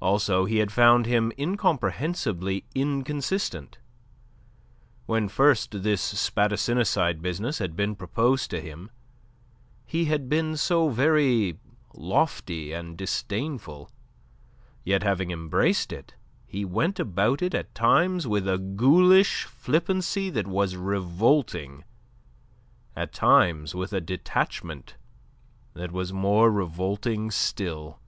Also he had found him incomprehensibly inconsistent. When first this spadassinicide business had been proposed to him, he had been so very lofty and disdainful. Yet, having embraced it, he went about it at times with a ghoulish flippancy that was revolting, at times with a detachment that was more revolting still.